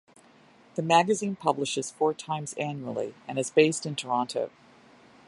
The magazine publishes four times annually and is based in Toronto.